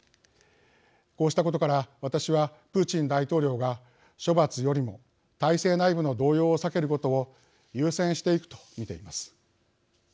こうしたことから私はプーチン大統領が処罰よりも体制内部の動揺を避けることを優先していくと見ています。